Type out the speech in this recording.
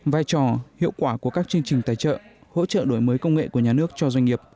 vai trò hiệu quả của các chương trình tài trợ hỗ trợ đổi mới công nghệ của nhà nước cho doanh nghiệp